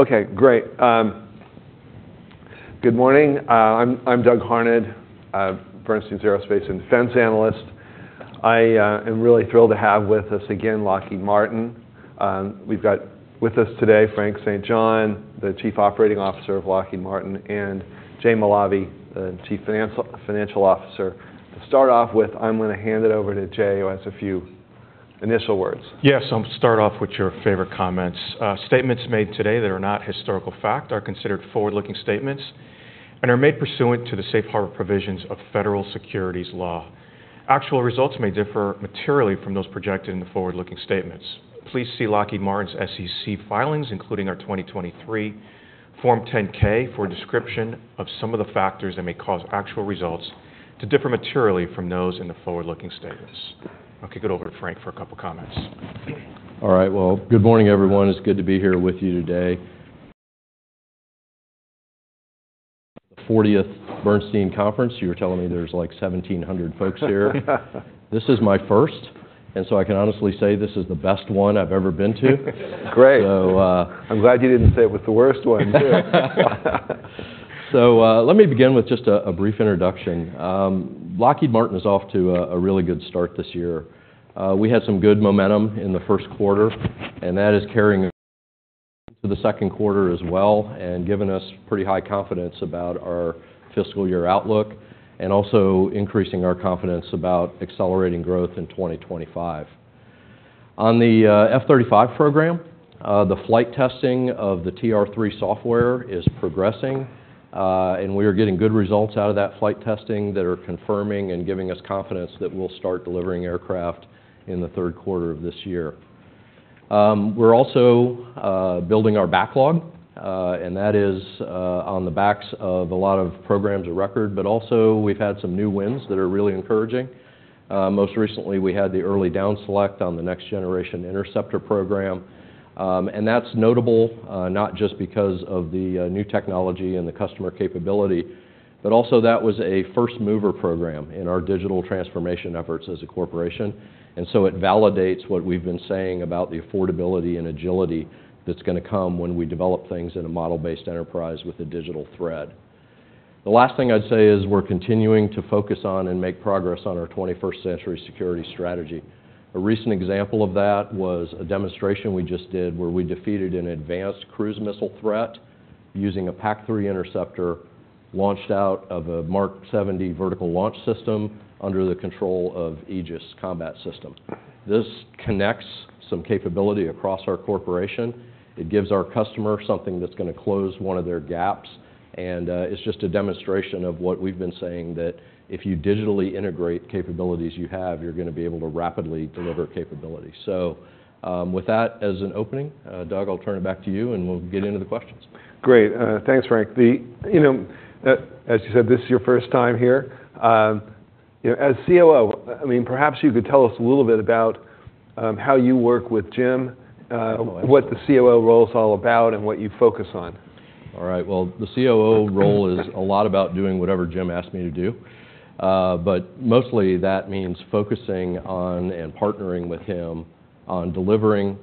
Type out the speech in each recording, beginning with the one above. Okay, great. Good morning. I'm Doug Harned, a Bernstein Aerospace and Defense analyst. I am really thrilled to have with us again, Lockheed Martin. We've got with us today Frank St. John, the Chief Operating Officer of Lockheed Martin, and Jay Malave, the Chief Financial Officer. To start off with, I'm gonna hand it over to Jesus, who has a few initial words. Yes, I'll start off with your favorite comments. Statements made today that are not historical fact are considered forward-looking statements and are made pursuant to the safe harbor provisions of federal securities law. Actual results may differ materially from those projected in the forward-looking statements. Please see Lockheed Martin's SEC filings, including our 2023 Form 10-K, for a description of some of the factors that may cause actual results to differ materially from those in the forward-looking statements. I'll kick it over to Frank for a couple comments. All right. Well, good morning, everyone. It's good to be here with you today. 40th Bernstein Conference. You were telling me there's, like, 1,700 folks here. This is my first, and so I can honestly say this is the best one I've ever been to. Great. So, uh- I'm glad you didn't say it was the worst one, too. So, let me begin with just a brief introduction. Lockheed Martin is off to a really good start this year. We had some good momentum in the first quarter, and that is carrying over to the second quarter as well, and giving us pretty high confidence about our fiscal year outlook, and also increasing our confidence about accelerating growth in 2025. On the F-35 program, the flight testing of the TR-3 software is progressing, and we are getting good results out of that flight testing that are confirming and giving us confidence that we'll start delivering aircraft in the third quarter of this year. We're also building our backlog, and that is on the backs of a lot of programs of record, but also we've had some new wins that are really encouraging. Most recently, we had the early down select on the Next Generation Interceptor program. And that's notable, not just because of the new technology and the customer capability, but also that was a first-mover program in our digital transformation efforts as a corporation. And so it validates what we've been saying about the affordability and agility that's gonna come when we develop things in a model-based enterprise with a digital thread. The last thing I'd say is, we're continuing to focus on and make progress on our 21st Century Security strategy. A recent example of that was a demonstration we just did, where we defeated an advanced cruise missile threat using a PAC-3 interceptor launched out of a Mk 70 vertical launch system under the control of Aegis Combat System. This connects some capability across our corporation. It gives our customer something that's gonna close one of their gaps, and, it's just a demonstration of what we've been saying, that if you digitally integrate capabilities you have, you're gonna be able to rapidly deliver capability. So, with that as an opening, Doug, I'll turn it back to you, and we'll get into the questions. Great. Thanks, Frank. You know, as you said, this is your first time here. You know, as COO, I mean, perhaps you could tell us a little bit about how you work with Jim. Oh, boy.... what the COO role is all about, and what you focus on. All right. Well, the COO role is a lot about doing whatever Jim asks me to do. But mostly, that means focusing on and partnering with him on delivering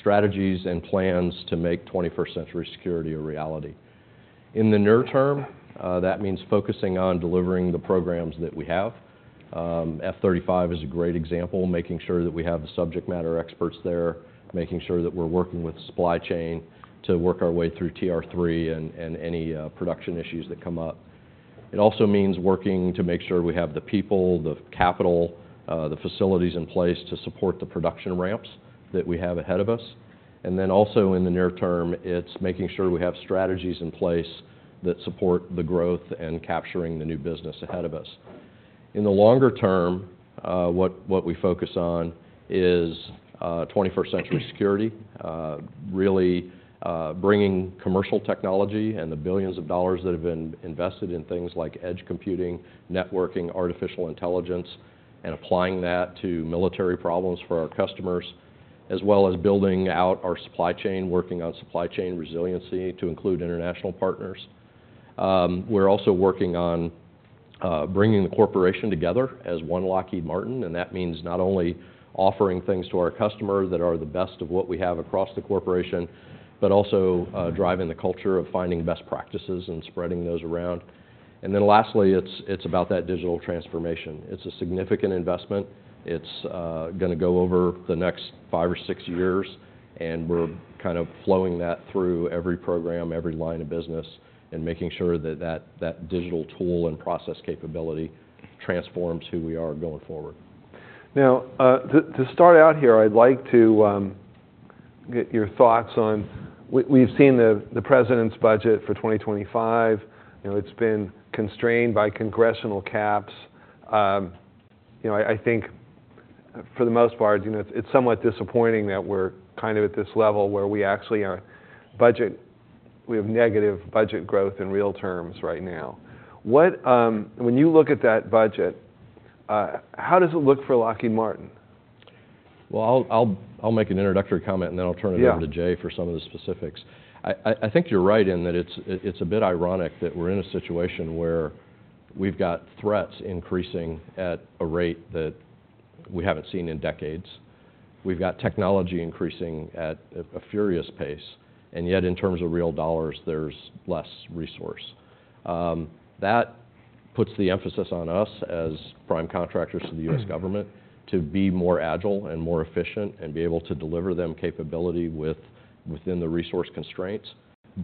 strategies and plans to make 21st Century Security a reality. In the near term, that means focusing on delivering the programs that we have. F-35 is a great example, making sure that we have the subject matter experts there, making sure that we're working with the supply chain to work our way through TR-3 and any production issues that come up. It also means working to make sure we have the people, the capital, the facilities in place to support the production ramps that we have ahead of us. And then also in the near term, it's making sure we have strategies in place that support the growth and capturing the new business ahead of us. In the longer term, what we focus on is 21st Century Security. Really, bringing commercial technology and the billions of dollars that have been invested in things like edge computing, networking, artificial intelligence, and applying that to military problems for our customers, as well as building out our supply chain, working on supply chain resiliency to include international partners. We're also working on bringing the corporation together as one Lockheed Martin, and that means not only offering things to our customer that are the best of what we have across the corporation, but also driving the culture of finding best practices and spreading those around. And then lastly, it's about that digital transformation. It's a significant investment. It's gonna go over the next 5 or 6 years, and we're kind of flowing that through every program, every line of business, and making sure that digital tool and process capability transforms who we are going forward. Now, to start out here, I'd like to get your thoughts on. We've seen the President's budget for 2025. You know, it's been constrained by congressional caps. You know, I think for the most part, you know, it's somewhat disappointing that we're kind of at this level where we actually are budget. We have negative budget growth in real terms right now. When you look at that budget, how does it look for Lockheed Martin? Well, I'll make an introductory comment, and then I'll turn it over- Yeah... to Jay for some of the specifics. I think you're right in that it's a bit ironic that we're in a situation where we've got threats increasing at a rate that we haven't seen in decades. We've got technology increasing at a furious pace, and yet, in terms of real dollars, there's less resource. That puts the emphasis on us as prime contractors to the U.S. government to be more agile and more efficient, and be able to deliver them capability within the resource constraints.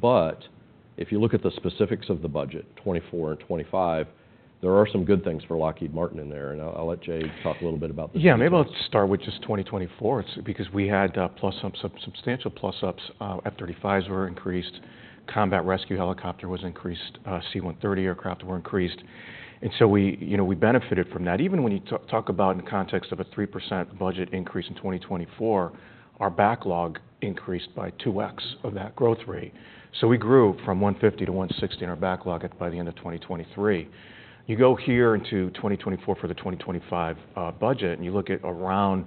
But if you look at the specifics of the budget, 2024 and 2025, there are some good things for Lockheed Martin in there, and I'll let Jay talk a little bit about the details. Yeah, maybe let's start with just 2024, because we had plus some substantial plus ups. F-35s were increased, Combat Rescue Helicopter was increased, C-130 aircraft were increased, and so we, you know, we benefited from that. Even when you talk about in the context of a 3% budget increase in 2024, our backlog increased by 2x of that growth rate. So we grew from $150 billion to $160 billion in our backlog by the end of 2023. You go here into 2024 for the 2025 budget, and you look at around,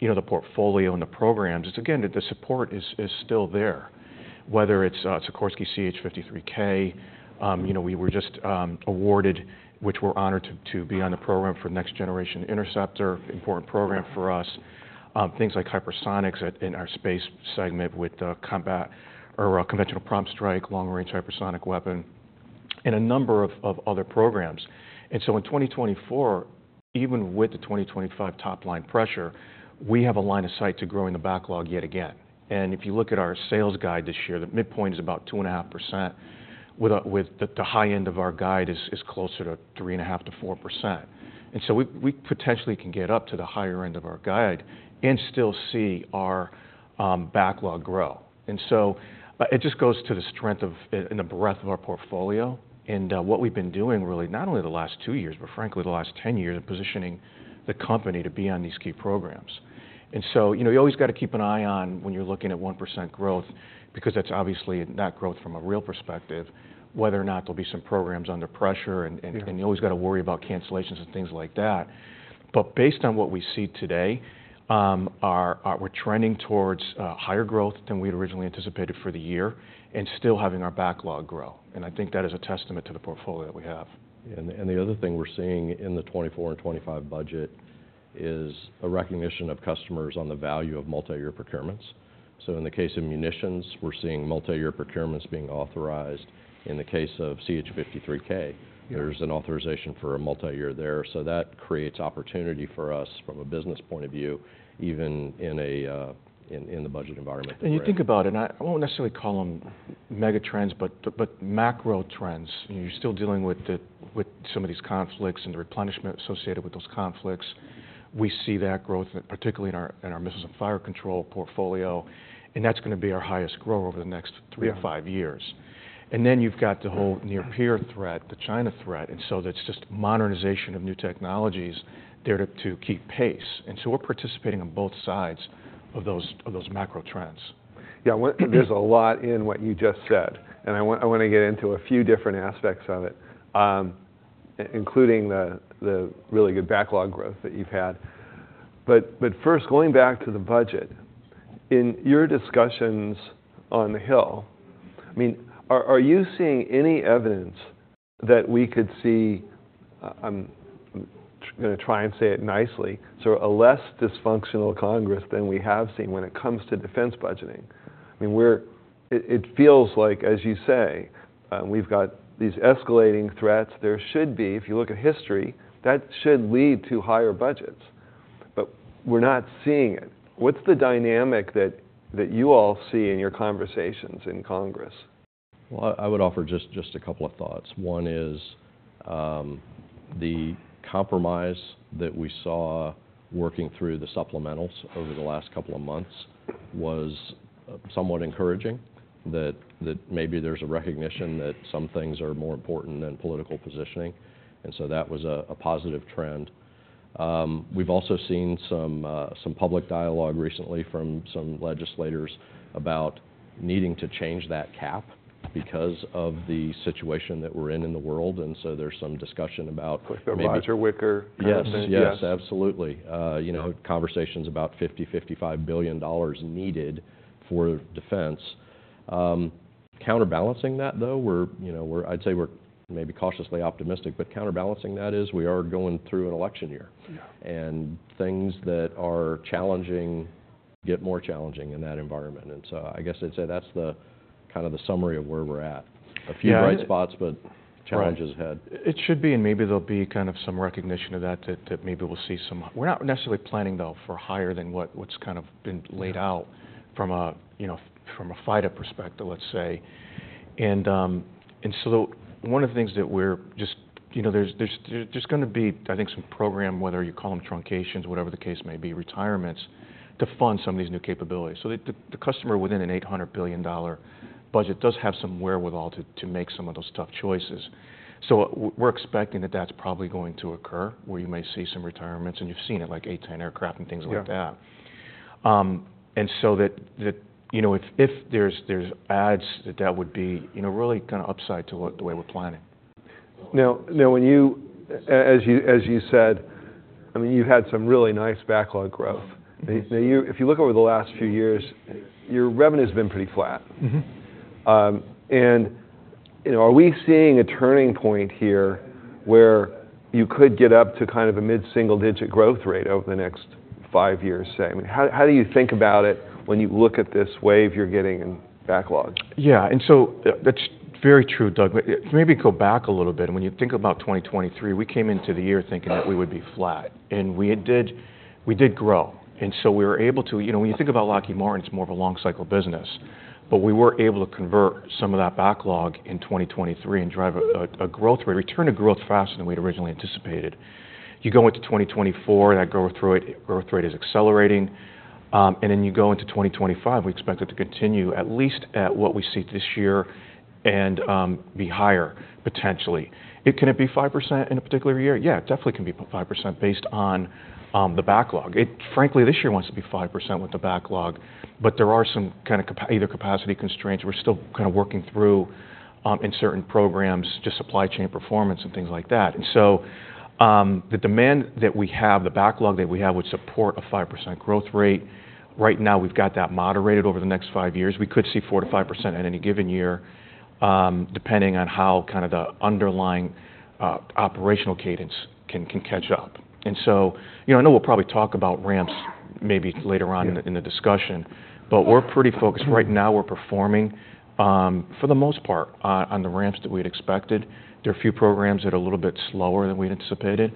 you know, the portfolio and the programs, it's again that the support is still there, whether it's Sikorsky CH-53K. You know, we were just awarded, which we're honored to be on the program for the Next Generation Interceptor. Important program for us. Things like hypersonics at, in our space segment with combat or Conventional Prompt Strike, Long-Range Hypersonic Weapon, and a number of other programs. And so in 2024, even with the 2025 top line pressure, we have a line of sight to growing the backlog yet again. And if you look at our sales guide this year, the midpoint is about 2.5%, with the high end of our guide is closer to 3.5%-4%. And so we potentially can get up to the higher end of our guide and still see our backlog grow. And so, it just goes to the strength of the breadth of our portfolio, and what we've been doing really not only the last two years, but frankly, the last 10 years, in positioning the company to be on these key programs. And so, you know, you've always gotta keep an eye on when you're looking at 1% growth, because that's obviously not growth from a real perspective, whether or not there'll be some programs under pressure, and... Yeah... you've always gotta worry about cancellations and things like that. But based on what we see today, we're trending towards higher growth than we had originally anticipated for the year, and still having our backlog grow, and I think that is a testament to the portfolio that we have. And the other thing we're seeing in the 2024 and 2025 budget is a recognition of customers on the value of multi-year procurements. So in the case of munitions, we're seeing multi-year procurements being authorized. In the case of CH-53K- Yeah... there's an authorization for a multi-year there, so that creates opportunity for us from a business point of view, even in the budget environment that we're in. You think about it, and I won't necessarily call them mega trends, but macro trends, you know, you're still dealing with with some of these conflicts and the replenishment associated with those conflicts. We see that growth, and particularly in our, in our missiles and fire control portfolio, and that's gonna be our highest growth over the next 3-5 years. Yeah. Then you've got the whole near-peer threat, the China threat, and so that's just modernization of new technologies there to keep pace, and so we're participating on both sides of those macro trends. Yeah, well, there's a lot in what you just said, and I want, I wanna get into a few different aspects of it, including the really good backlog growth that you've had. But first, going back to the budget, in your discussions on the Hill, I mean, are you seeing any evidence that we could see a less dysfunctional Congress than we have seen when it comes to defense budgeting? I mean, it feels like, as you say, we've got these escalating threats. There should be, if you look at history, that should lead to higher budgets, but we're not seeing it. What's the dynamic that you all see in your conversations in Congress? Well, I would offer just a couple of thoughts. One is, the compromise that we saw working through the supplementals over the last couple of months was somewhat encouraging, that maybe there's a recognition that some things are more important than political positioning, and so that was a positive trend. We've also seen some public dialogue recently from some legislators about needing to change that cap because of the situation that we're in the world, and so there's some discussion about maybe- Roger Wicker commented, yes. Yes, yes, absolutely. You know, conversations about $50-$55 billion needed for defense. Counterbalancing that, though, you know, I'd say we're maybe cautiously optimistic, but counterbalancing that is we are going through an election year. Yeah. Things that are challenging get more challenging in that environment, and so I guess I'd say that's the kind of the summary of where we're at. Yeah, I- A few bright spots, but challenges ahead. Right. It should be, and maybe there'll be kind of some recognition of that, that maybe we'll see some... We're not necessarily planning, though, for higher than what's kind of been laid out- Yeah... from a, you know, from a fighter perspective, let's say. And so one of the things that we're just you know, there's just gonna be, I think, some program, whether you call them truncations, whatever the case may be, retirements, to fund some of these new capabilities. So the customer within an $800 billion budget does have some wherewithal to make some of those tough choices. So we're expecting that that's probably going to occur, where you may see some retirements, and you've seen it, like A-10 aircraft and things like that. Yeah. And so that, you know, if there's adds, that would be, you know, really kind of upside to what the way we're planning. As you said, I mean, you've had some really nice backlog growth. Yes. Now, you, if you look over the last few years, your revenue's been pretty flat. Mm-hmm. You know, are we seeing a turning point here, where you could get up to kind of a mid-single-digit growth rate over the next five years, say? I mean, how, how do you think about it when you look at this wave you're getting in backlog? Yeah, and so, that's very true, Doug, but maybe go back a little bit. When you think about 2023, we came into the year thinking that we would be flat, and we did, we did grow. And so we were able to, you know, when you think about Lockheed Martin, it's more of a long cycle business. But we were able to convert some of that backlog in 2023 and drive a growth rate, return to growth faster than we'd originally anticipated. You go into 2024, that growth rate, growth rate is accelerating. And then you go into 2025, we expect it to continue at least at what we see this year and, be higher, potentially. And can it be 5% in a particular year? Yeah, it definitely can be 5% based on, the backlog. It frankly this year wants to be 5% with the backlog, but there are some kind of capacity constraints we're still kind of working through in certain programs, just supply chain performance and things like that. And so, the demand that we have, the backlog that we have, would support a 5% growth rate. Right now, we've got that moderated over the next five years. We could see 4%-5% at any given year, depending on how kind of the underlying operational cadence can catch up. And so, you know, I know we'll probably talk about ramps maybe later on- Yeah... in the discussion, but we're pretty focused. Right now, we're performing, for the most part, on the ramps that we'd expected. There are a few programs that are a little bit slower than we'd anticipated,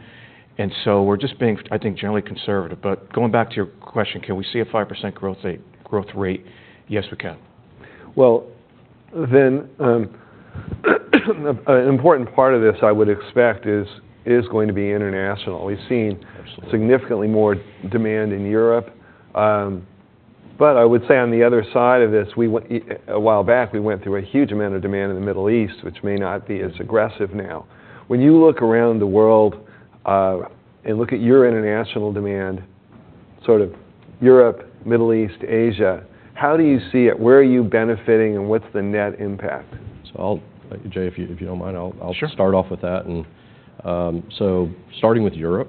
and so we're just being, I think, generally conservative. But going back to your question, can we see a 5% growth rate, growth rate? Yes, we can. Well, then, an important part of this, I would expect, is going to be international. We've seen- Absolutely... significantly more demand in Europe. But I would say on the other side of this, a while back we went through a huge amount of demand in the Middle East, which may not be as aggressive now. When you look around the world, and look at your international demand, sort of Europe, Middle East, Asia, how do you see it? Where are you benefiting, and what's the net impact? So I'll, Jay, if you, if you don't mind, I'll, I'll- Sure... start off with that. And, so starting with Europe,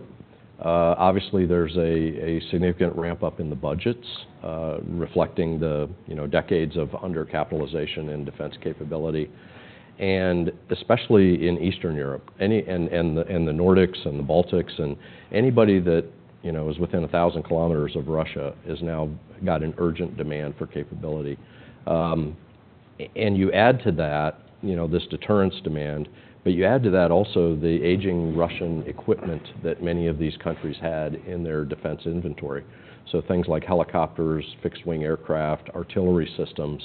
obviously there's a significant ramp-up in the budgets, reflecting the, you know, decades of undercapitalization in defense capability, and especially in Eastern Europe. And the Nordics and the Baltics and anybody that, you know, is within 1,000 kilometers of Russia has now got an urgent demand for capability. And you add to that, you know, this deterrence demand, but you add to that also the aging Russian equipment that many of these countries had in their defense inventory. So things like helicopters, fixed-wing aircraft, artillery systems,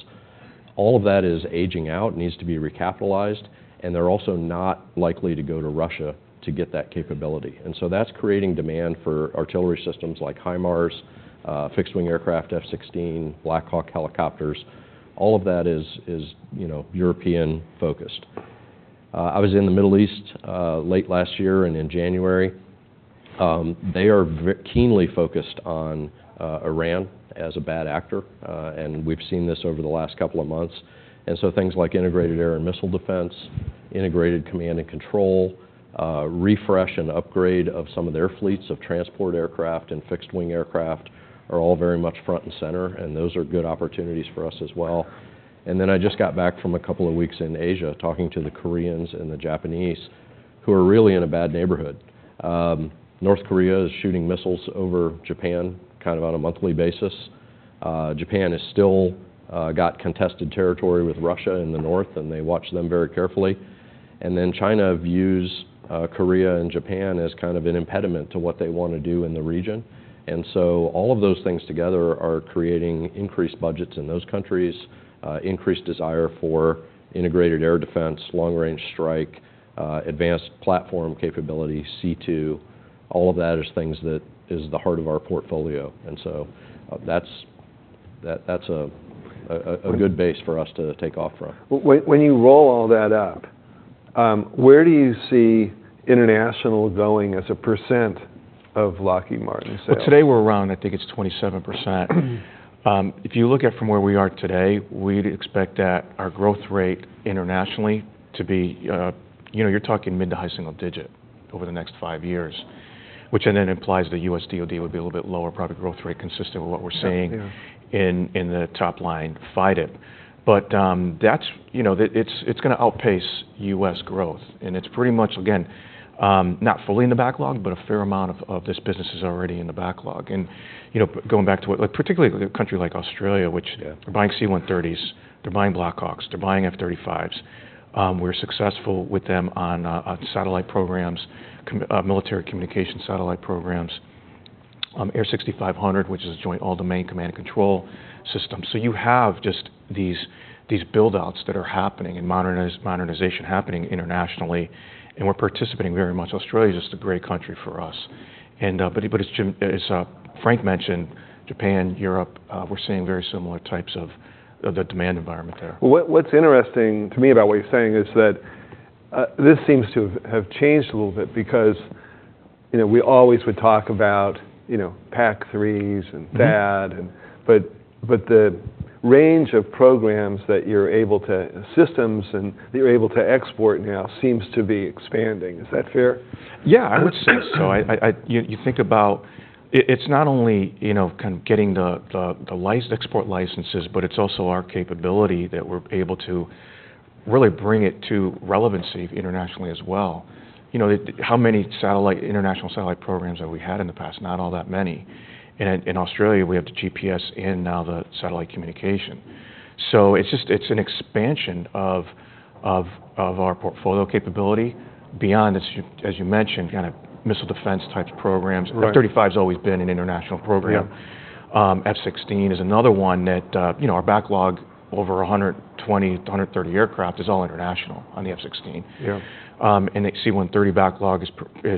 all of that is aging out, needs to be recapitalized, and they're also not likely to go to Russia to get that capability. And so that's creating demand for artillery systems like HIMARS, fixed-wing aircraft, F-16, Black Hawk helicopters. All of that is, you know, European-focused. I was in the Middle East late last year and in January. They are keenly focused on Iran as a bad actor, and we've seen this over the last couple of months. And so things like integrated air and missile defense, integrated command and control, refresh and upgrade of some of their fleets of transport aircraft and fixed-wing aircraft, are all very much front and center, and those are good opportunities for us as well. And then I just got back from a couple of weeks in Asia, talking to the Koreans and the Japanese, who are really in a bad neighborhood. North Korea is shooting missiles over Japan, kind of on a monthly basis. Japan has still got contested territory with Russia in the north, and they watch them very carefully. Then China views Korea and Japan as kind of an impediment to what they want to do in the region. So all of those things together are creating increased budgets in those countries, increased desire for integrated air defense, long-range strike, advanced platform capability, C2. All of that is things that is the heart of our portfolio, and so, that's... That, that's a, a, a good base for us to take off from. When, when you roll all that up, where do you see international going as a percent of Lockheed Martin sales? Well, today we're around, I think it's 27%. If you look at from where we are today, we'd expect that our growth rate internationally to be, you know, you're talking mid- to high-single-digit over the next 5 years, which then implies the US DoD would be a little bit lower, probably growth rate consistent with what we're seeing- Yeah... in the top line, F-35. But that's, you know, it's gonna outpace US growth, and it's pretty much, again, not fully in the backlog, but a fair amount of this business is already in the backlog. And, you know, going back to what—like, particularly with a country like Australia, which- Yeah... they're buying C-130s, they're buying Black Hawks, they're buying F-35s. We're successful with them on satellite programs, military communication satellite programs, AIR6500, which is a joint all-domain command and control system. So you have just these, these build-outs that are happening and modernization happening internationally, and we're participating very much. Australia's just a great country for us. But as Frank mentioned, Japan, Europe, we're seeing very similar types of the demand environment there. Well, what's interesting to me about what you're saying is that this seems to have changed a little bit because, you know, we always would talk about, you know, PAC-3s and THAAD- Mm-hmm... the range of programs that you're able to... systems and you're able to export now seems to be expanding. Is that fair? Yeah, I would say so. You think about it. It's not only, you know, kind of getting the export licenses, but it's also our capability that we're able to really bring it to relevance internationally as well. You know, how many international satellite programs have we had in the past? Not all that many. And in Australia, we have the GPS and now the satellite communication. So it's just an expansion of our portfolio capability beyond, as you mentioned, kind of missile defense-type programs. Right. F-35's always been an international program. Yeah. F-16 is another one that, you know, our backlog over 120-130 aircraft is all international on the F-16. Yeah. The C-130 backlog is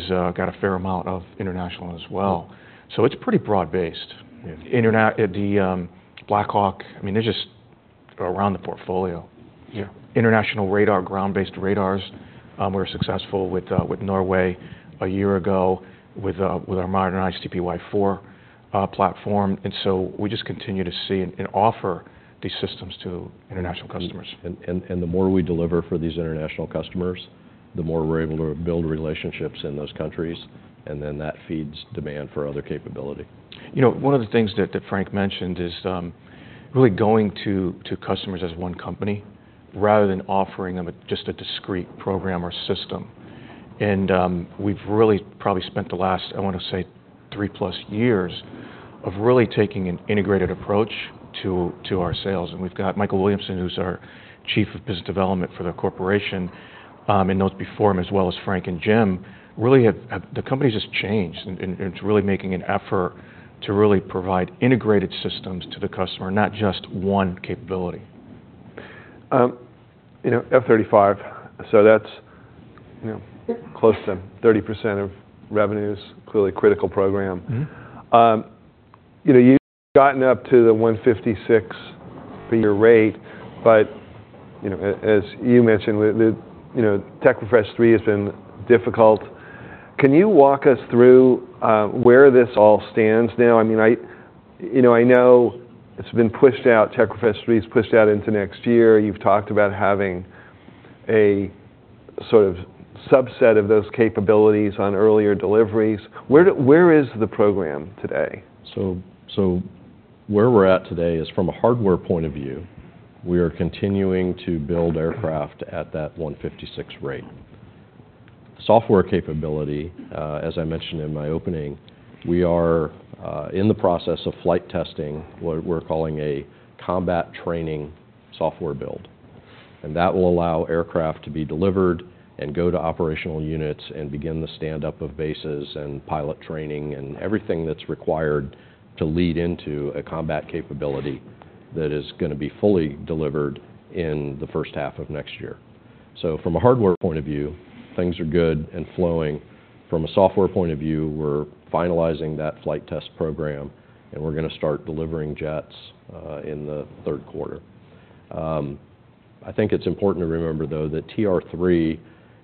got a fair amount of international as well. So it's pretty broad-based. Yeah. The Black Hawk, I mean, they're just around the portfolio. Yeah. International radar, ground-based radars, we were successful with Norway a year ago with our modernized TPY-4 platform. And so we just continue to see and offer these systems to international customers. The more we deliver for these international customers, the more we're able to build relationships in those countries, and then that feeds demand for other capability. You know, one of the things that Frank mentioned is really going to customers as one company, rather than offering them just a discrete program or system. And we've really probably spent the last, I want to say, 3+ years really taking an integrated approach to our sales. And we've got Michael Williamson, who's our Chief of Business Development for the corporation, and those before him, as well as Frank and Jim, really have the company just changed, and it's really making an effort to really provide integrated systems to the customer, not just one capability. You know, F-35, so that's, you know, close to 30% of revenues, clearly critical program. Mm-hmm. You know, you've gotten up to the 156 for your rate, but, you know, as you mentioned, with the, you know, Tech Refresh 3 has been difficult. Can you walk us through where this all stands now? I mean, you know, I know it's been pushed out, Tech Refresh 3 is pushed out into next year. You've talked about having a sort of subset of those capabilities on earlier deliveries. Where is the program today? So where we're at today is, from a hardware point of view, we are continuing to build aircraft at that 156 rate. Software capability, as I mentioned in my opening, we are in the process of flight testing what we're calling a combat training software build. And that will allow aircraft to be delivered and go to operational units, and begin the stand-up of bases, and pilot training, and everything that's required to lead into a combat capability that is gonna be fully delivered in the first half of next year. So from a hardware point of view, things are good and flowing. From a software point of view, we're finalizing that flight test program, and we're gonna start delivering jets in the third quarter. I think it's important to remember, though, that TR3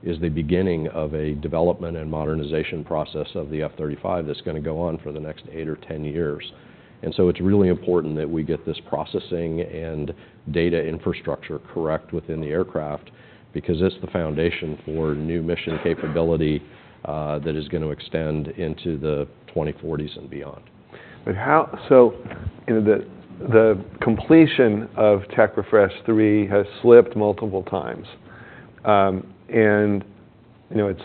is the beginning of a development and modernization process of the F-35 that's gonna go on for the next eight or 10 years. And so it's really important that we get this processing and data infrastructure correct within the aircraft, because it's the foundation for new mission capability, that is gonna extend into the 2040s and beyond. So, you know, the completion of Tech Refresh 3 has slipped multiple times. And, you know, it's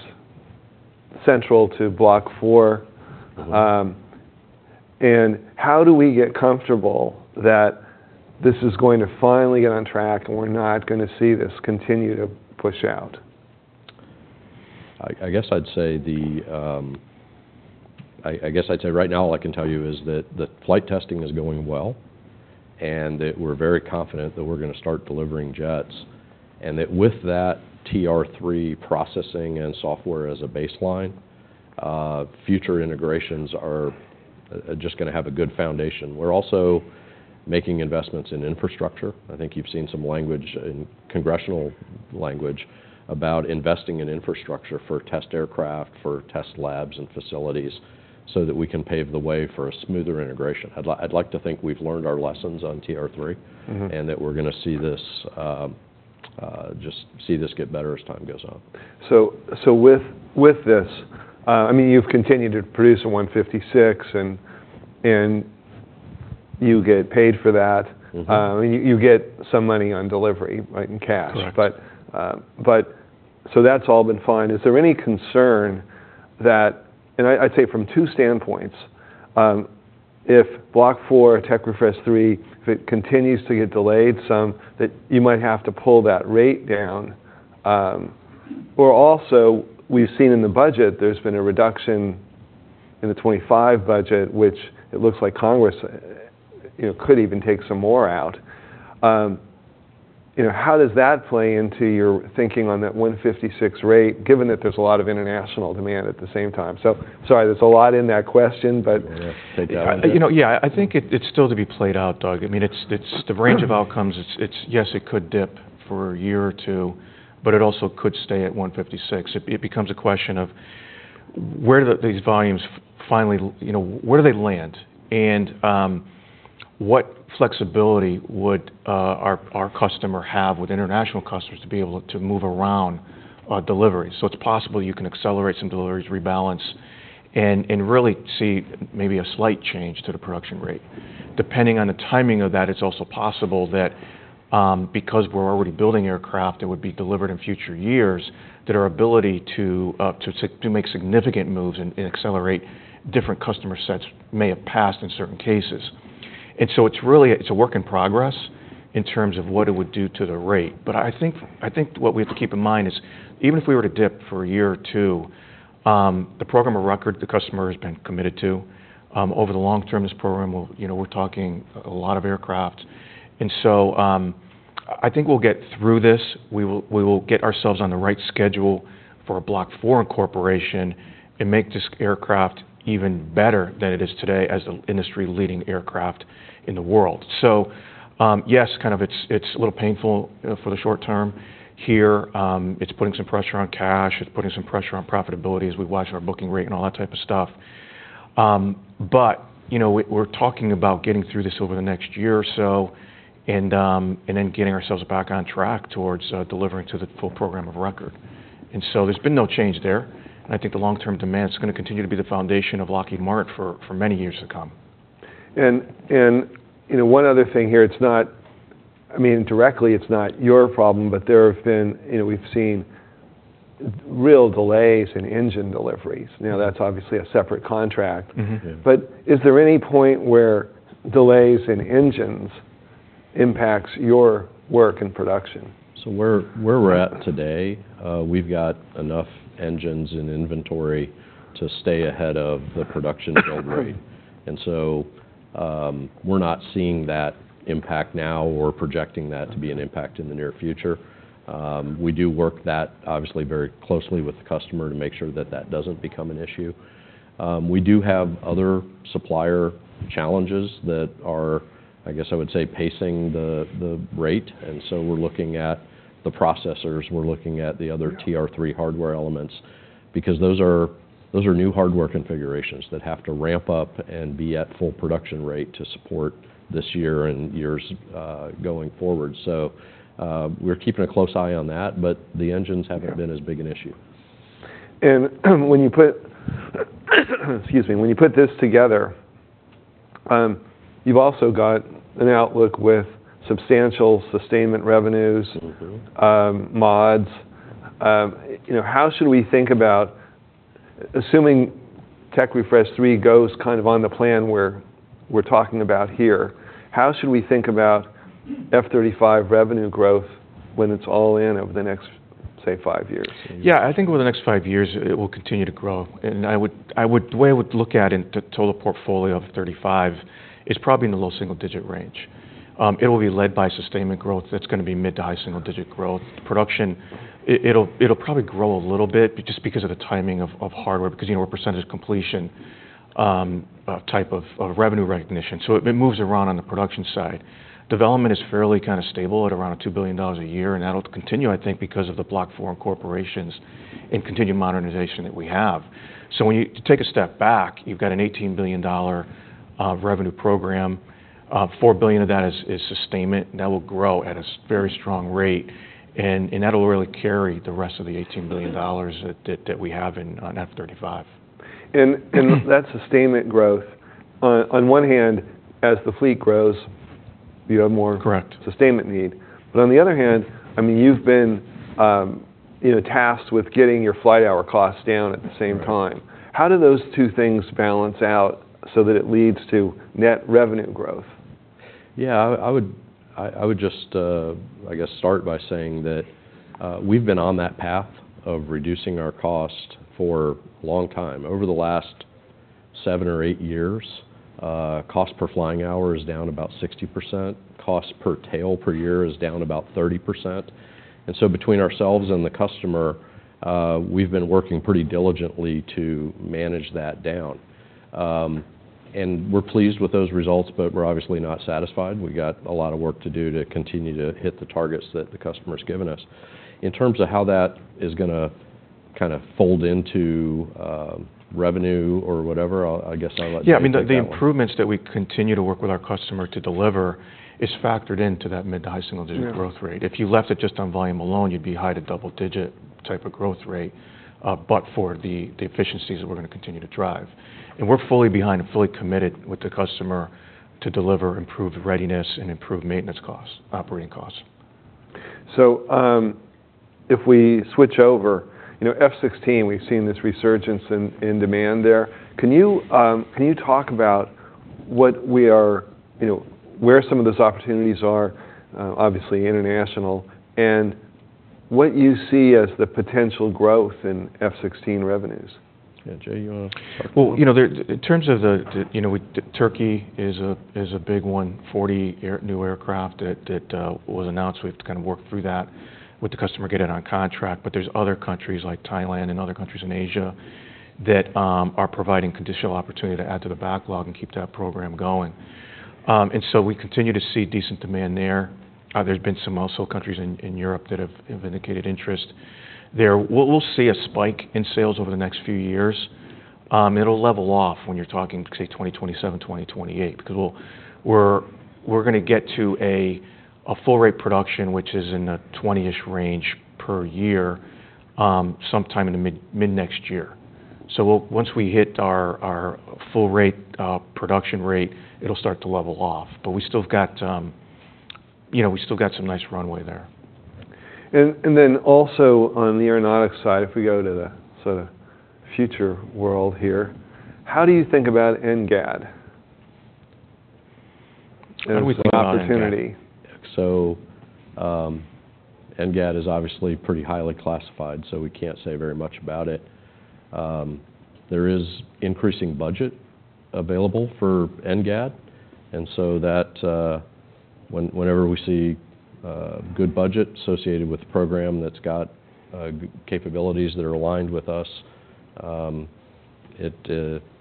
central to Block 4. Mm-hmm. How do we get comfortable that this is going to finally get on track, and we're not gonna see this continue to push out? I guess I'd say right now, all I can tell you is that the flight testing is going well, and that we're very confident that we're gonna start delivering jets. And that with that TR-3 processing and software as a baseline, future integrations are just gonna have a good foundation. We're also making investments in infrastructure. I think you've seen some language in congressional language about investing in infrastructure for test aircraft, for test labs and facilities, so that we can pave the way for a smoother integration. I'd like to think we've learned our lessons on TR-3- Mm-hmm... and that we're gonna see this, just see this get better as time goes on. So with this, I mean, you've continued to produce a 156, and you get paid for that. Mm-hmm. You get some money on delivery, right, in cash? Correct. But, but so that's all been fine. Is there any concern that, and I, I'd say from two standpoints, if Block 4 or Tech Refresh 3, if it continues to get delayed some, that you might have to pull that rate down? or also, we've seen in the budget, there's been a reduction in the 2025 budget, which it looks like Congress, you know, could even take some more out. you know, how does that play into your thinking on that 156 rate, given that there's a lot of international demand at the same time? So sorry, there's a lot in that question, but- Yeah. Take it out. You know, yeah, I think it's still to be played out, Doug. I mean, the range of outcomes... Yes, it could dip for a year or two, but it also could stay at 156. It becomes a question of where do these volumes finally land, you know? And what flexibility would our customer have with international customers to be able to move around delivery? So it's possible you can accelerate some deliveries, rebalance and really see maybe a slight change to the production rate. Depending on the timing of that, it's also possible that because we're already building aircraft, it would be delivered in future years, that our ability to make significant moves and accelerate different customer sets may have passed in certain cases. So it's really, it's a work in progress in terms of what it would do to the rate. But I think, I think what we have to keep in mind is, even if we were to dip for a year or two, the program of record, the customer has been committed to. Over the long term, this program will, you know, we're talking a lot of aircraft. And so, I think we'll get through this. We will, we will get ourselves on the right schedule for a Block 4 incorporation and make this aircraft even better than it is today as the industry-leading aircraft in the world. So, yes, kind of, it's a little painful, you know, for the short term here. It's putting some pressure on cash. It's putting some pressure on profitability as we watch our booking rate and all that type of stuff. But, you know, we're talking about getting through this over the next year or so, and then getting ourselves back on track towards delivering to the full program of record. And so there's been no change there, and I think the long-term demand is gonna continue to be the foundation of Lockheed Martin for, for many years to come. You know, one other thing here, it's not—I mean, directly—it's not your problem, but there have been... You know, we've seen real delays in engine deliveries. Now, that's obviously a separate contract. Mm-hmm. Yeah. Is there any point where delays in engines impacts your work and production? So where we're at today, we've got enough engines in inventory to stay ahead of the production build rate. And so, we're not seeing that impact now or projecting that to be an impact in the near future. We do work that, obviously, very closely with the customer to make sure that that doesn't become an issue. We do have other supplier challenges that are, I guess I would say, pacing the rate, and so we're looking at the processors, we're looking at the other- Yeah... TR-3 hardware elements, because those are, those are new hardware configurations that have to ramp up and be at full production rate to support this year and years going forward. So, we're keeping a close eye on that, but the engines- Yeah... haven't been as big an issue. When you put, excuse me, when you put this together, you've also got an outlook with substantial sustainment revenues- Mm-hmm... mods. You know, how should we think about assuming Tech Refresh 3 goes kind of on the plan where we're talking about here, how should we think about F-35 revenue growth when it's all in over the next, say, five years? Yeah. I think over the next five years, it will continue to grow. And the way I would look at it in the total portfolio of 35, is probably in the low single-digit range. It will be led by sustainment growth. That's gonna be mid to high single-digit growth. Production, it'll probably grow a little bit, but just because of the timing of hardware, because, you know, we're percentage completion type of revenue recognition. So it moves around on the production side. Development is fairly kind of stable at around $2 billion a year, and that'll continue, I think, because of the Block 4 incorporations and continued modernization that we have. So when you take a step back, you've got an $18 billion revenue program. $4 billion of that is sustainment, and that will grow at a very strong rate, and that'll really carry the rest of the $18 billion that we have in, on F-35. And that sustainment growth, on one hand, as the fleet grows, you have more- Correct... sustainment need. But on the other hand, I mean, you've been, you know, tasked with getting your flight hour costs down at the same time. Right. How do those two things balance out so that it leads to net revenue growth? Yeah, I would just, I guess, start by saying that, we've been on that path of reducing our cost for a long time. Over the last 7 or 8 years, cost per flying hour is down about 60%, cost per tail per year is down about 30%. And so between ourselves and the customer, we've been working pretty diligently to manage that down. And we're pleased with those results, but we're obviously not satisfied. We've got a lot of work to do to continue to hit the targets that the customer's given us. In terms of how that is gonna kind of fold into, revenue or whatever, I guess, I'll let you take that one. Yeah, I mean, the improvements that we continue to work with our customer to deliver is factored into that mid- to high single-digit- Yeah... growth rate. If you left it just on volume alone, you'd be high to double digit type of growth rate, but for the efficiencies that we're gonna continue to drive. And we're fully behind and fully committed with the customer to deliver improved readiness and improved maintenance costs, operating costs. So, if we switch over, you know, F-16, we've seen this resurgence in demand there. Can you talk about what we are, you know, where some of those opportunities are, obviously international, and what you see as the potential growth in F-16 revenues? Yeah, Jay, you wanna talk about it? Well, you know, there, in terms of the, you know, Turkey is a big one, 40 new aircraft that was announced. We have to kind of work through that with the customer, get it on contract. But there are other countries like Thailand and other countries in Asia that are providing conditional opportunity to add to the backlog and keep that program going. And so we continue to see decent demand there. There have been some countries also in Europe that have indicated interest there. We'll see a spike in sales over the next few years. It'll level off when you're talking, say, 2027, 2028, because we're gonna get to a full rate production, which is in the 20-ish range per year, sometime in the mid-next year. So we'll once we hit our full rate production rate, it'll start to level off. But we still have got, you know, we still got some nice runway there. Then also on the aeronautics side, if we go to the sort of future world here, how do you think about NGAD? As an opportunity. NGAD is obviously pretty highly classified, so we can't say very much about it. There is increasing budget available for NGAD, and so that, whenever we see good budget associated with the program that's got capabilities that are aligned with us,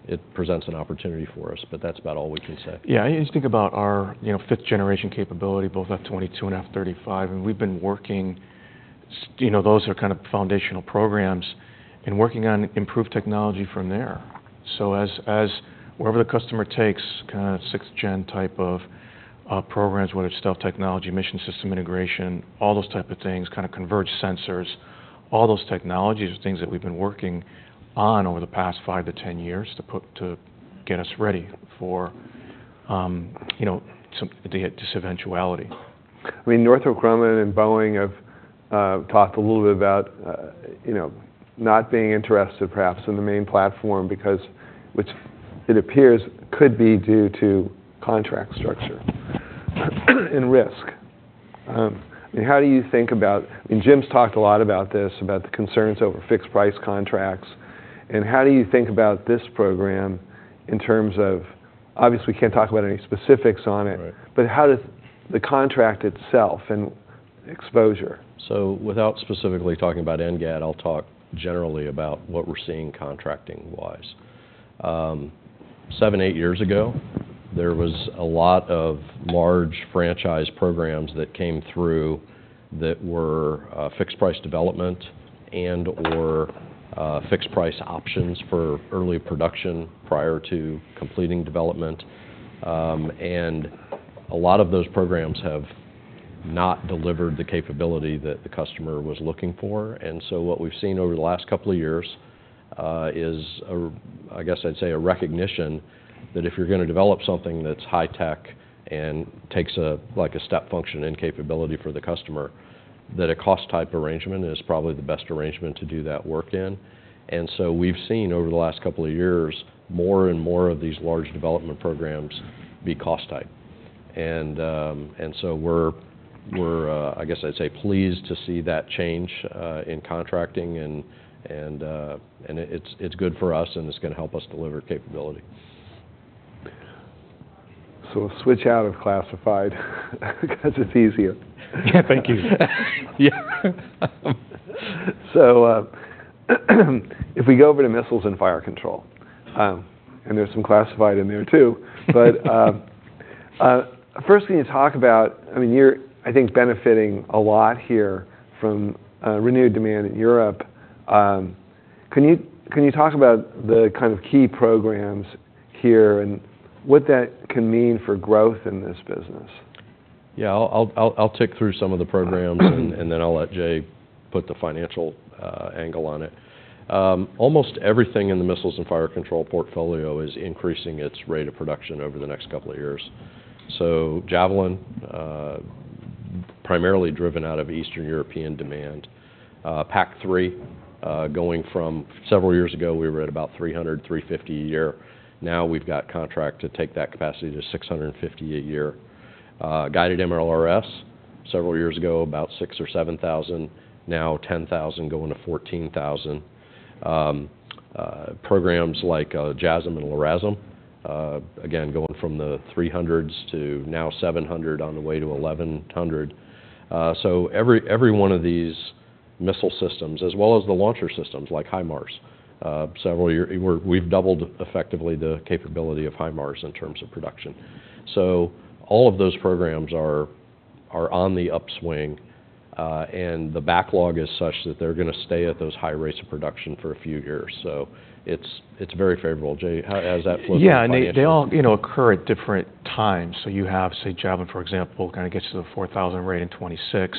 it presents an opportunity for us, but that's about all we can say. Yeah, I just think about our, you know, fifth-generation capability, both F-22 and F-35, and we've been working—you know, those are kind of foundational programs, and working on improved technology from there. So as, as wherever the customer takes, kind of sixth gen type of programs, whether it's stealth technology, mission system integration, all those type of things, kind of converge sensors, all those technologies are things that we've been working on over the past five to ten years to put—to get us ready for, you know, just eventuality. I mean, Northrop Grumman and Boeing have talked a little bit about, you know, not being interested, perhaps in the main platform, because which it appears, could be due to contract structure and risk. I mean, how do you think about-- and Jim's talked a lot about this, about the concerns over fixed-price contracts, and how do you think about this program in terms of... Obviously, we can't talk about any specifics on it- Right. But how does the contract itself and exposure? So without specifically talking about NGAD, I'll talk generally about what we're seeing contracting-wise. Seven, eight years ago, there was a lot of large franchise programs that came through that were fixed-price development and/or fixed-price options for early production prior to completing development. And a lot of those programs have not delivered the capability that the customer was looking for. And so what we've seen over the last couple of years is a, I guess, I'd say, a recognition that if you're gonna develop something that's high tech and takes a like a step function and capability for the customer, that a cost-type arrangement is probably the best arrangement to do that work in. And so we've seen over the last couple of years, more and more of these large development programs be cost type. And so we're, I guess I'd say, pleased to see that change in contracting, and it's good for us, and it's gonna help us deliver capability. Switch out of classified, because it's easier. Yeah, thank you. So, if we go over to Missiles and Fire Control, and there's some classified in there, too. But, first thing you talk about, I mean, you're, I think, benefiting a lot here from renewed demand in Europe. Can you talk about the kind of key programs here and what that can mean for growth in this business? Yeah, I'll tick through some of the programs and then I'll let Jay put the financial angle on it. Almost everything in the missiles and fire control portfolio is increasing its rate of production over the next couple of years. So Javelin, primarily driven out of Eastern European demand. PAC-3, going from several years ago, we were at about 300-350 a year. Now, we've got contract to take that capacity to 650 a year. Guided MLRS, several years ago, about 6,000 or 7,000, now 10,000, going to 14,000. Programs like JASSM and LRASM, again, going from the 300s to now 700 on the way to 1,100. So every one of these missile systems, as well as the launcher systems like HIMARS, we've doubled effectively the capability of HIMARS in terms of production. So all of those programs are on the upswing, and the backlog is such that they're gonna stay at those high rates of production for a few years. So it's very favorable. Jay, how does that flow down financially? Yeah, and they all, you know, occur at different times. So you have, say, Javelin, for example, kind of gets to the 4,000 rate in 2026.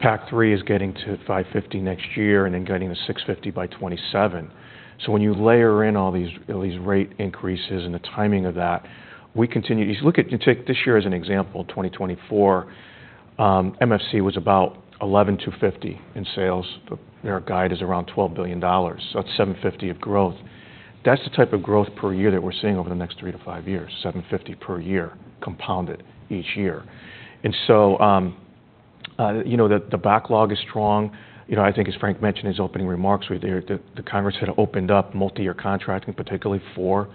PAC-3 is getting to 550 next year, and then getting to 650 by 2027. So when you layer in all these, these rate increases and the timing of that, we continue. If you look at, you take this year as an example, 2024, MFC was about $11.50 billion in sales. Their guide is around $12 billion, so that's $750 million of growth. That's the type of growth per year that we're seeing over the next three to five years, $750 million per year, compounded each year. And so, you know, the, the backlog is strong. You know, I think as Frank mentioned in his opening remarks, we're there, the Congress had opened up multi-year contracting, particularly for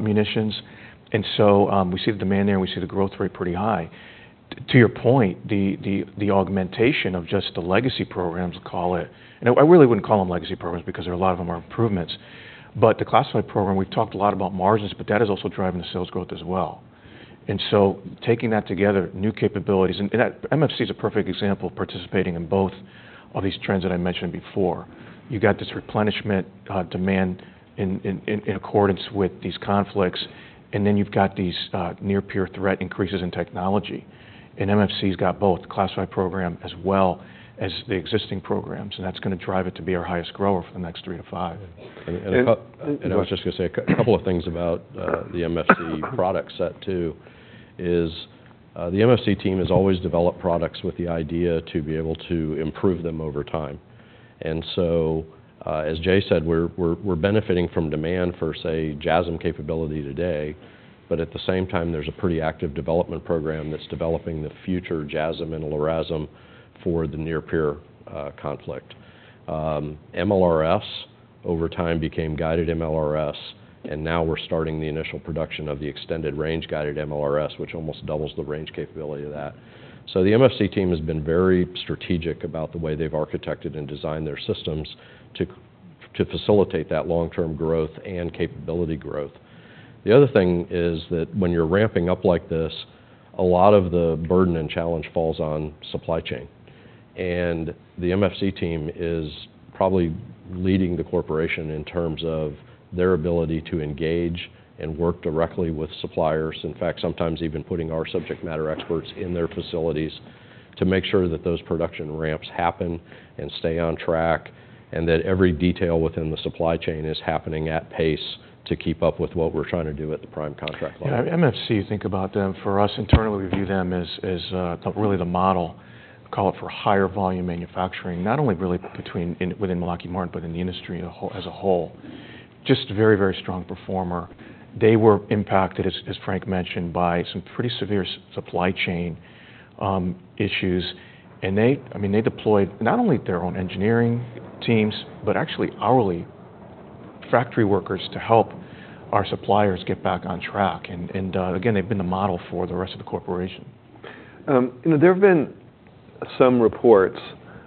munitions. And so, we see the demand there, and we see the growth rate pretty high. To your point, the augmentation of just the legacy programs, call it. And I really wouldn't call them legacy programs because there are a lot of them are improvements. But the classified program, we've talked a lot about margins, but that is also driving the sales growth as well. And so taking that together, new capabilities, and that MFC is a perfect example of participating in both of these trends that I mentioned before. You got this replenishment demand in accordance with these conflicts. And then you've got these, near-peer threat increases in technology, and MFC's got both, the classified program as well as the existing programs, and that's gonna drive it to be our highest grower for the next 3-5. And, and, uh- And- And I was just gonna say, a couple of things about the MFC product set, too, is the MFC team has always developed products with the idea to be able to improve them over time. And so, as Jay said, we're benefiting from demand for, say, JASSM capability today, but at the same time, there's a pretty active development program that's developing the future JASSM and LRASM for the near-peer conflict. MLRS over time became Guided MLRS, and now we're starting the initial production of the Extended Range Guided MLRS, which almost doubles the range capability of that. So the MFC team has been very strategic about the way they've architected and designed their systems to facilitate that long-term growth and capability growth. The other thing is that when you're ramping up like this, a lot of the burden and challenge falls on supply chain, and the MFC team is probably leading the corporation in terms of their ability to engage and work directly with suppliers, in fact, sometimes even putting our subject matter experts in their facilities to make sure that those production ramps happen and stay on track, and that every detail within the supply chain is happening at pace to keep up with what we're trying to do at the prime contract level. Yeah, MFC, you think about them, for us, internally, we view them as the really the model, call it, for higher volume manufacturing, not only really between, in, within Lockheed Martin, but in the industry as a whole. Just a very, very strong performer. They were impacted, as Frank mentioned, by some pretty severe supply chain issues, and they... I mean, they deployed not only their own engineering teams, but actually hourly factory workers to help our suppliers get back on track, and again, they've been the model for the rest of the corporation. You know, there have been some reports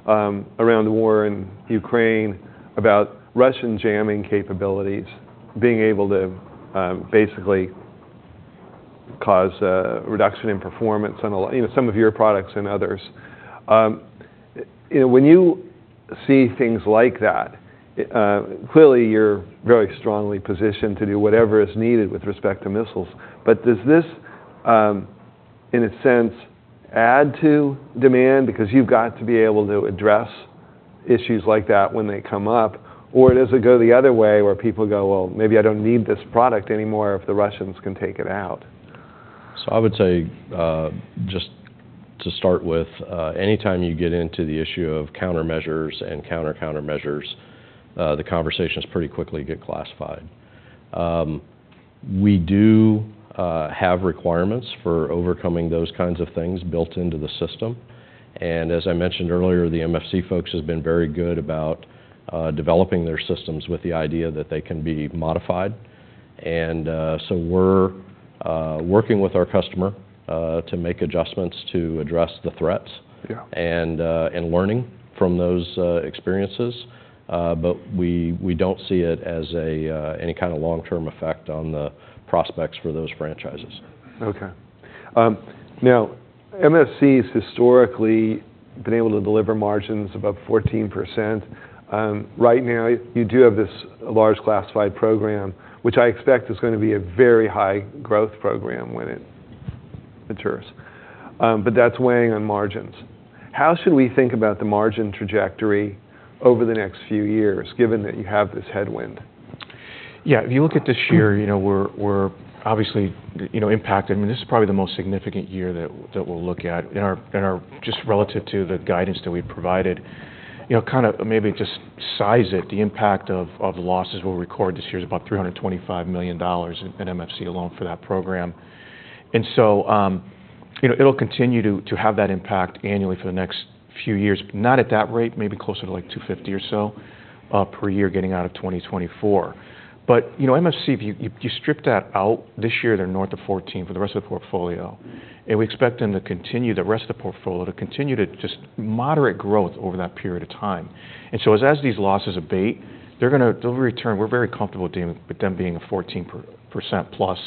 around the war in Ukraine about Russian jamming capabilities being able to basically cause a reduction in performance on a you know, some of your products and others. You know, when you see things like that, clearly, you're very strongly positioned to do whatever is needed with respect to missiles, but does this, in a sense, add to demand? Because you've got to be able to address issues like that when they come up, or does it go the other way, where people go, "Well, maybe I don't need this product anymore if the Russians can take it out? So I would say, just to start with, anytime you get into the issue of countermeasures and counter-countermeasures, the conversations pretty quickly get classified. We do have requirements for overcoming those kinds of things built into the system, and as I mentioned earlier, the MFC folks have been very good about developing their systems with the idea that they can be modified. So we're working with our customer to make adjustments to address the threats- Yeah... and learning from those experiences. But we don't see it as any kind of long-term effect on the prospects for those franchises. Okay. Now, MFC's historically been able to deliver margins above 14%. Right now, you do have this large classified program, which I expect is gonna be a very high growth program when it matures. But that's weighing on margins. How should we think about the margin trajectory over the next few years, given that you have this headwind? Yeah, if you look at this year, you know, we're obviously, you know, impacted. I mean, this is probably the most significant year that we'll look at in our just relative to the guidance that we've provided. You know, kind of maybe just size it, the impact of the losses we'll record this year is about $325 million in MFC alone for that program. And so, you know, it'll continue to have that impact annually for the next few years. Not at that rate, maybe closer to, like, $250 million or so per year, getting out of 2024. But, you know, MFC, if you strip that out, this year they're north of 14% for the rest of the portfolio, and we expect them to continue, the rest of the portfolio, to continue to just moderate growth over that period of time. And so, as these losses abate, they'll return. We're very comfortable dealing with them being a 14% plus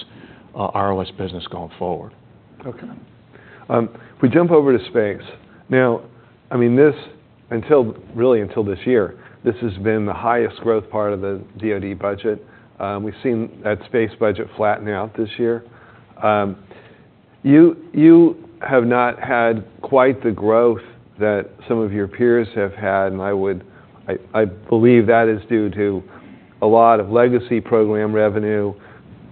ROS business going forward. Okay. If we jump over to space. Now, I mean, this, until really until this year, this has been the highest growth part of the DoD budget. We've seen that space budget flattening out this year. You, you have not had quite the growth that some of your peers have had, and I would... I, I believe that is due to a lot of legacy program revenue.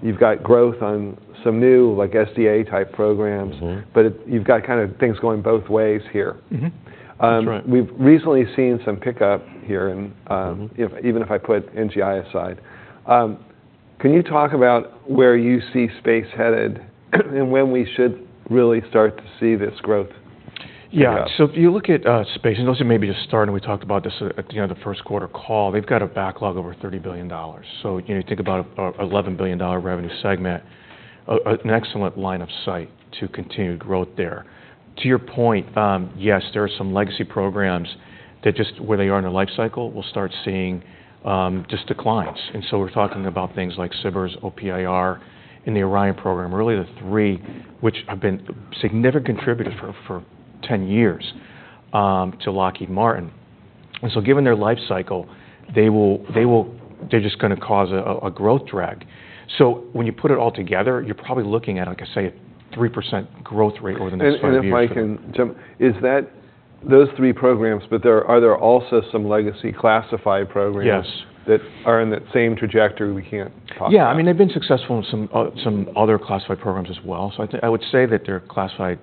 You've got growth on some new, like, SDA-type programs- Mm-hmm... but it, you've got kind of things going both ways here. Mm-hmm. That's right. We've recently seen some pickup here- Mm-hmm... you know, even if I put NGI aside. Can you talk about where you see space headed, and when we should really start to see this growth coming up? Yeah, so if you look at space, and those who may be just starting, we talked about this at, you know, the first quarter call, they've got a backlog of over $30 billion. So, you know, think about a $11 billion revenue segment, an excellent line of sight to continued growth there. To your point, yes, there are some legacy programs that just where they are in their life cycle, we'll start seeing just declines. And so we're talking about things like SBIRS, OPIR, and the Orion program, really the three which have been significant contributors for 10 years to Lockheed Martin. And so given their life cycle, they will—they're just gonna cause a growth drag. So when you put it all together, you're probably looking at, like I say, a 3% growth rate over the next five years- and if I can jump, is that those three programs, but there—are there also some legacy classified programs- Yes... that are in that same trajectory we can't talk about? Yeah. I mean, they've been successful in some other classified programs as well. So I would say that their classified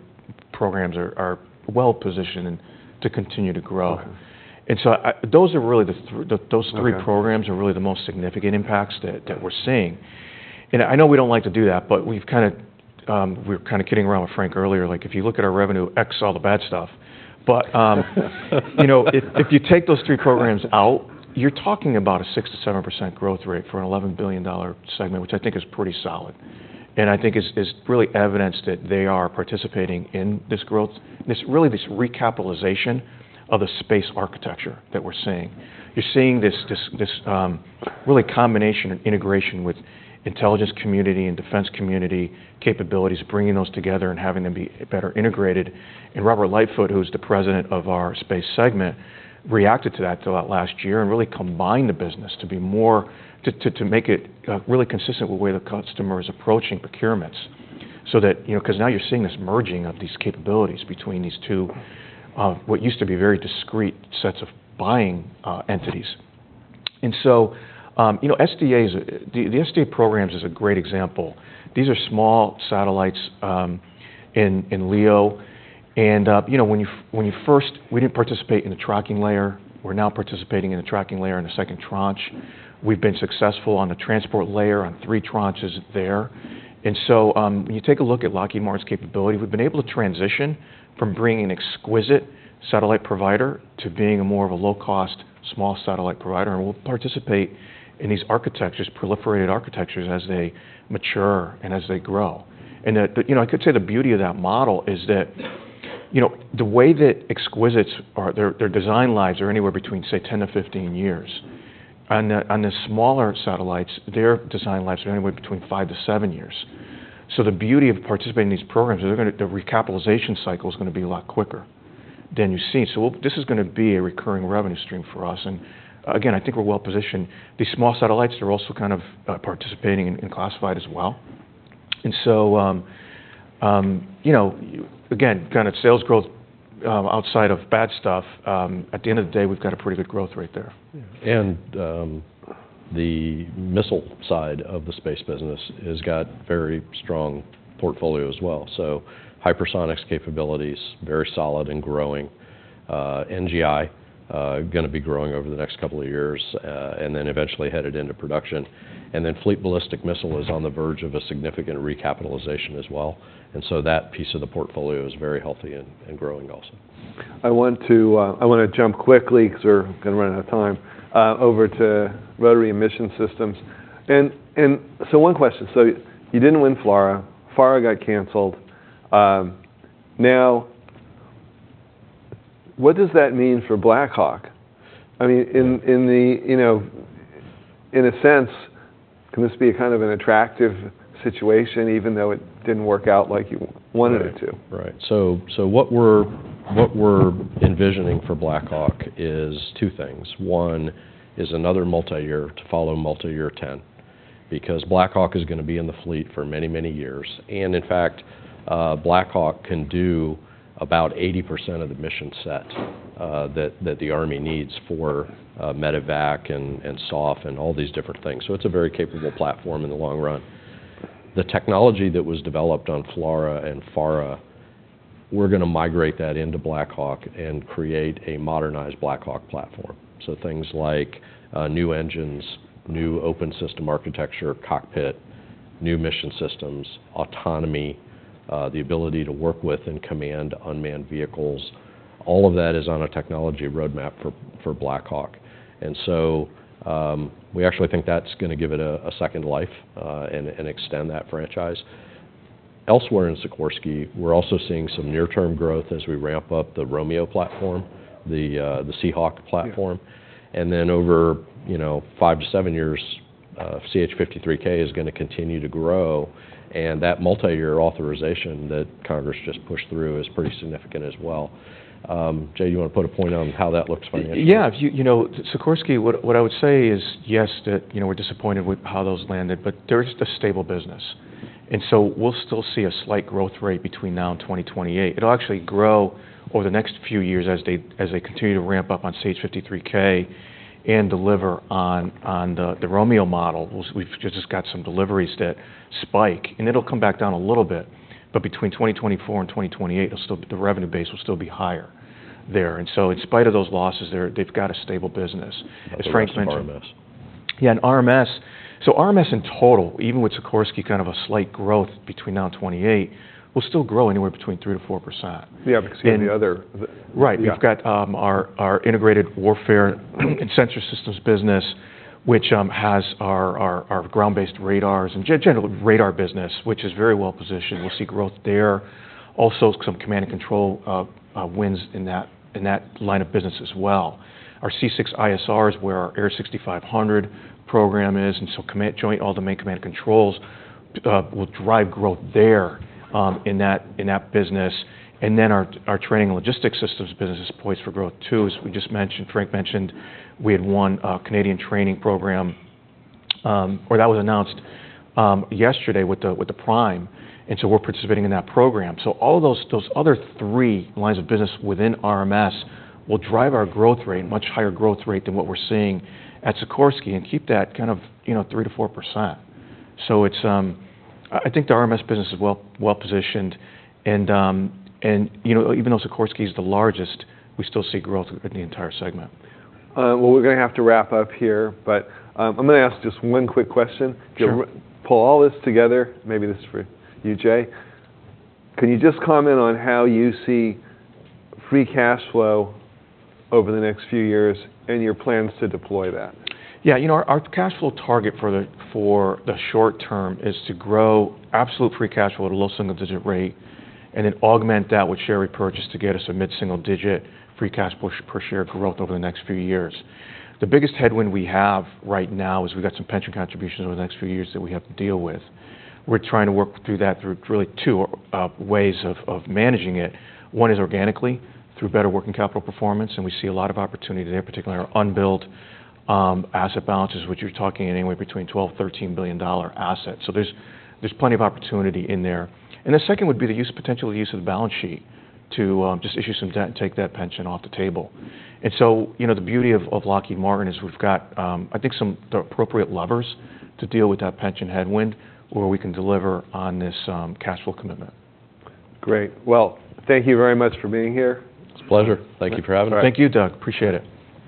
programs are well-positioned and to continue to grow. Okay. And so, those are really the Okay... those three programs are really the most significant impacts that- Okay... that we're seeing. And I know we don't like to do that, but we've kind of, we were kind of kidding around with Frank earlier, like, if you look at our revenue, X all the bad stuff. But, you know, if, if you take those three programs out, you're talking about a 6%-7% growth rate for an $11 billion segment, which I think is pretty solid, and I think is, is really evidence that they are participating in this growth, this really this recapitalization of the space architecture that we're seeing. You're seeing this, this, this, really combination and integration with intelligence community and defense community capabilities, bringing those together and having them be better integrated. Robert Lightfoot, who's the president of our space segment, reacted to that throughout last year and really combined the business to be more to make it really consistent with the way the customer is approaching procurements. So that, you know, because now you're seeing this merging of these capabilities between these two what used to be very discrete sets of buying entities. And so, you know, SDA's, the SDA programs is a great example. These are small satellites in LEO. And, you know, we didn't participate in the Tracking Layer. We're now participating in the Tracking Layer in the second tranche. We've been successful on the Transport Layer on three tranches there. And so, when you take a look at Lockheed Martin's capability, we've been able to transition from being an exquisite satellite provider to being a more of a low-cost, small satellite provider. And we'll participate in these architectures, proliferated architectures, as they mature and as they grow. But you know, I could say the beauty of that model is that, you know, the way that exquisites are, their design lives are anywhere between, say, 10-15 years. On the smaller satellites, their design lives are anywhere between 5-7 years. So the beauty of participating in these programs is they're gonna, the recapitalization cycle is gonna be a lot quicker than you see. So this is gonna be a recurring revenue stream for us, and again, I think we're well positioned. These small satellites are also kind of participating in classified as well. And so, you know, again, kind of sales growth outside of bad stuff, at the end of the day, we've got a pretty good growth rate there. Yeah. And, the missile side of the space business has got very strong portfolio as well. So hypersonic capabilities, very solid and growing. NGI, gonna be growing over the next couple of years, and then eventually headed into production. And then Fleet Ballistic Missile is on the verge of a significant recapitalization as well, and so that piece of the portfolio is very healthy and, and growing also. I want to, I wanna jump quickly, because we're gonna run out of time, over to Rotary and Mission Systems. And, and so one question: So you didn't win FLRAA. FARA got canceled. Now, what does that mean for Black Hawk? I mean, in the... You know, in a sense, can this be a kind of an attractive situation, even though it didn't work out like you wanted it to? Right. So what we're envisioning for Black Hawk is two things. One is another multi-year to follow multi-year ten, because Black Hawk is gonna be in the fleet for many, many years. And in fact, Black Hawk can do about 80% of the mission set that the Army needs for medevac and SOF and all these different things. So it's a very capable platform in the long run. The technology that was developed on FLRAA and FARA, we're gonna migrate that into Black Hawk and create a modernized Black Hawk platform. So things like new engines, new open system architecture, cockpit, new mission systems, autonomy, the ability to work with and command unmanned vehicles, all of that is on a technology roadmap for Black Hawk. And so, we actually think that's gonna give it a second life, and extend that franchise. Elsewhere in Sikorsky, we're also seeing some near-term growth as we ramp up the Romeo platform, the Seahawk platform. Yeah. And then over, you know, 5-7 years, CH-53K is gonna continue to grow, and that multi-year authorization that Congress just pushed through is pretty significant as well. Jay, you want to put a point on how that looks financially? Yeah, you know, Sikorsky, what I would say is, yes, you know, we're disappointed with how those landed, but they're just a stable business. And so we'll still see a slight growth rate between now and 2028. It'll actually grow over the next few years as they continue to ramp up on CH-53K and deliver on the Romeo model. We've just got some deliveries that spike, and it'll come back down a little bit, but between 2024 and 2028, it'll still, the revenue base will still be higher there. And so in spite of those losses there, they've got a stable business. As Frank mentioned- RMS. Yeah, and RMS. So RMS in total, even with Sikorsky, kind of a slight growth between now and 2028, will still grow anywhere between 3%-4%. Yeah, because the other- Right. Yeah. We've got our Integrated Warfare and Sensor Systems business, which has our ground-based radars and general radar business, which is very well positioned. Yeah. We'll see growth there. Also, some command and control wins in that line of business as well. Our C6ISR is where our AIR6500 program is, and so command, joint, all domain command and controls will drive growth there in that business. And then our Training and Logistics Systems business is poised for growth, too. As we just mentioned, Frank mentioned, we had won a Canadian training program, or that was announced yesterday with the Prime, and so we're participating in that program. So all those other three lines of business within RMS will drive our growth rate, much higher growth rate than what we're seeing at Sikorsky, and keep that kind of, you know, 3%-4%. So it's... I think the RMS business is well-positioned, and, you know, even though Sikorsky is the largest, we still see growth in the entire segment. Well, we're gonna have to wrap up here, but, I'm gonna ask just one quick question. Sure. Pull all this together, maybe this is for you, Jay. Can you just comment on how you see free cash flow over the next few years and your plans to deploy that? Yeah, you know, our cash flow target for the short term is to grow absolute free cash flow at a low single-digit rate, and then augment that with share repurchase to get us a mid-single digit free cash flow per share growth over the next few years. The biggest headwind we have right now is we've got some pension contributions over the next few years that we have to deal with. We're trying to work through that through really two ways of managing it. One is organically, through better working capital performance, and we see a lot of opportunity there, particularly in our unbilled asset balances, which you're talking anywhere between $12 billion-$13 billion asset. So there's plenty of opportunity in there. The second would be the use, potential use of the balance sheet to just issue some debt and take that pension off the table. And so, you know, the beauty of Lockheed Martin is we've got, I think, some the appropriate levers to deal with that pension headwind, where we can deliver on this cash flow commitment. Great. Well, thank you very much for being here. It's a pleasure. Thank you for having us. Thank you, Doug. Appreciate it.